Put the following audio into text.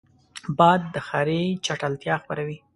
باد د ښاري چټلتیا خپروي